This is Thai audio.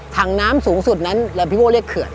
ถังน้ำสูงสุดนั้นแล้วพี่โก้เรียกเขื่อน